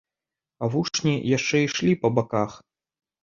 А вучні яшчэ ішлі па баках.